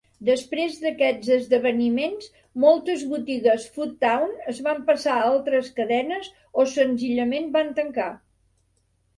Després d'aquests esdeveniments, moltes botigues Foodtown es van pasar a altres cadenes o senzillament van tancar.